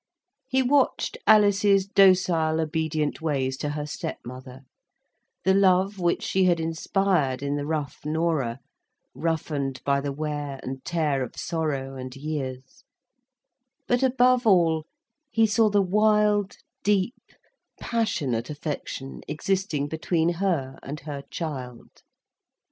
He watched Alice's docile obedient ways to her stepmother; the love which she had inspired in the rough Norah (roughened by the wear and tear of sorrow and years); but above all, he saw the wild, deep, passionate affection existing between her and her child.